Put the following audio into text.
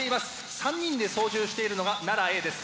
３人で操縦しているのが奈良Ａです。